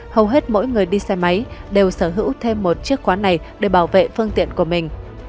hầu hết mỗi người đi xe máy đều sở hữu thêm một chiếc quán này để bảo vệ phương tiện của mình